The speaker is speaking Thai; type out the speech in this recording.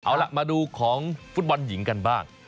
เอาล่ะมาดูของฟุตบอลหญิงกันบ้าง